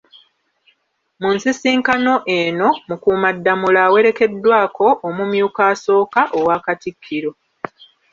Mu nsisinkano eno Mukuumaddamula awerekeddwako omumyuka asooka owa Katikkiro